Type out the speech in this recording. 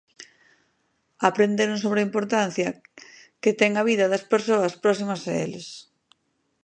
Aprenderon sobre a importancia que ten a vida das persoas próximas a eles.